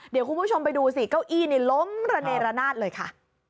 เดี๋ยวคุณผู้ชมไปดูสิเก้าอี้นี่ล้มระเนรนาศเลยค่ะ